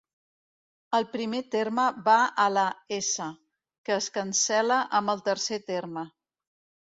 El primer terme va a la "s", que es cancel·la amb el tercer terme.